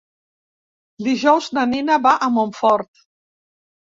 Dijous na Nina va a Montfort.